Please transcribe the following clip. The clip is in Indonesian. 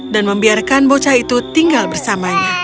dan membiarkan bocah itu tinggal bersamanya